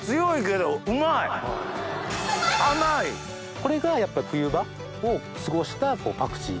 これが冬場を過ごしたパクチー。